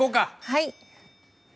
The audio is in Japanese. はい。